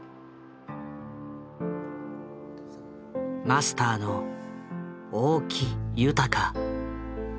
マスターの大木雄高。